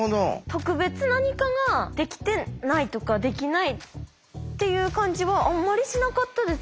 特別何かができてないとかできないっていう感じはあんまりしなかったです